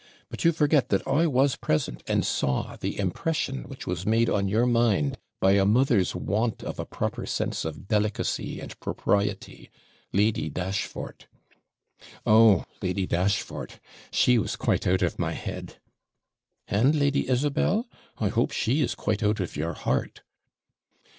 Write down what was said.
But you forget that I was present, and saw the impression which was made on your mind by a mother's want of a proper sense of delicacy and propriety Lady Dashfort.' 'Oh, Lady Dashfort! she was quite out of my head.' 'And Lady Isabel? I hope she is quite out of your heart.'